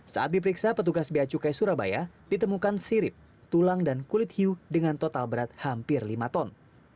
saat diperiksa petugas bacukai surabaya ditemukan sirip tulang dan kulit hiu dengan total berat hampir lima ton